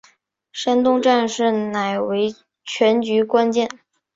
山东战事仍为全局关键。